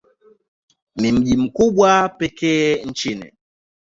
Ni mji mkubwa wa pekee nchini.